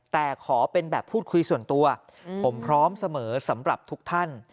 แต่ขอเป็นแบบพูดคุยส่วนตัวผมพร้อมเสมอสำหรับทุกท่าน